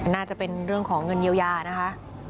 น่าจะเป็นเรื่องของเงินเยียวยานะคะ